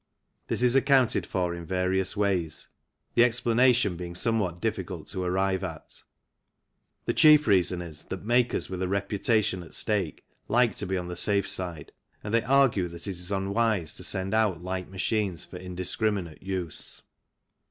This is accounted for in various ways, the explanation being somewhat difficult to arrive at. The chief reason is that makers with a reputation at stake like to be on the safe side, and they argue that it is unwise to send out light machines for indiscriminate use.